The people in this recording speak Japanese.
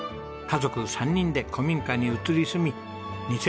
家族３人で古民家に移り住み